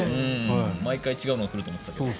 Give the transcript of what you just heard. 毎回違うのが来ると思っていたけど。